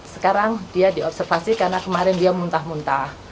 sekarang dia diobservasi karena kemarin dia muntah muntah